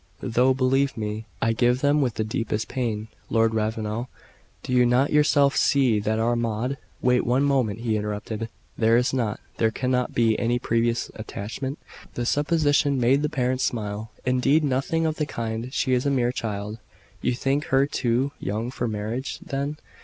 "Though, believe me, I give them with the deepest pain. Lord Ravenel, do you not yourself see that our Maud " "Wait one moment," he interrupted. "There is not, there cannot be, any previous attachment?" The supposition made the parents smile. "Indeed, nothing of the kind: she is a mere child." "You think her too young for marriage, then?"